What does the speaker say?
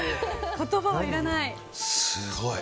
言葉はいらない。